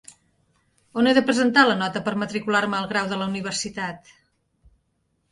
On he de presentar la nota per matricular-me al grau de la universitat?